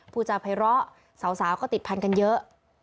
ผู้จับไพร่เลาะสาวก็ติดพันธุ์กันเยอะ